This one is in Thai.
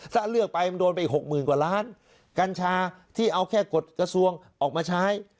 ถ้าเลือกไปมันโดนไปหกหมื่นกว่าล้านกัญชาที่เอาแค่กฎกระทรวงออกมาใช้